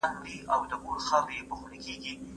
څوک کولی شي واکسین ترلاسه کړي؟